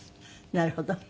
なるほど。